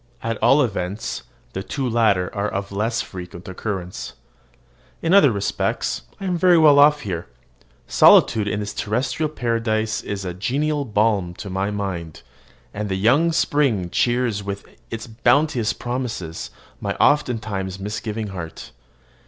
At all events, the two latter are of less frequent occurrence. In other respects I am very well off here. Solitude in this terrestrial paradise is a genial balm to my mind, and the young spring cheers with its bounteous promises my oftentimes misgiving heart.